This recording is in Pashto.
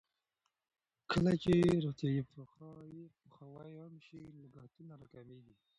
کله چې روغتیايي پوهاوی عام شي، لګښتونه راکمېږي.